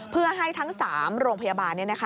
เพื่อให้ทั้ง๓โรงพยาบาล